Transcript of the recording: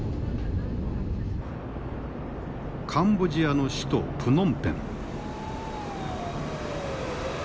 カンボジアの首都プノンペン。